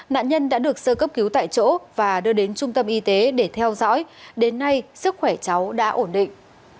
nạn nhân đã được sơ cấp cứu tại chỗ và đưa đến trung tâm y tế để theo dõi đến nay sức khỏe cháu đã ổn định